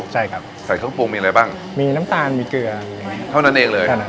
ใช่ครับใส่เครื่องปรุงมีอะไรบ้างมีน้ำตาลมีเกลือเท่านั้นเองเลย